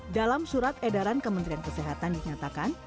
dalam surat edaran kementerian kesehatan dinyatakan